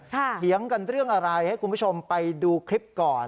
เถียงกันเรื่องอะไรให้คุณผู้ชมไปดูคลิปก่อน